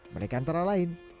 mereka antara lain